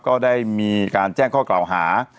ก็ได้มีการแจ้งข้อกล่าวหา